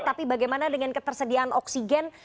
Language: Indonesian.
tapi bagaimana dengan ketersediaan oksigen